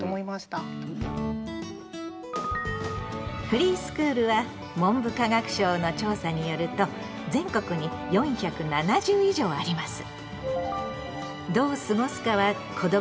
フリースクールは文部科学省の調査によると全国に４７０以上あります。